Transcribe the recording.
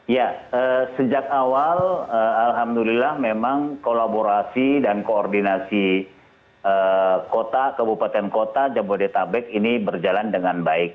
ya sejak awal alhamdulillah memang kolaborasi dan koordinasi kota kabupaten kota jabodetabek ini berjalan dengan baik